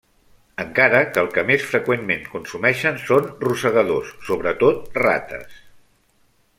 Encara que el que més freqüentment consumeixen són rosegadors, sobretot rates.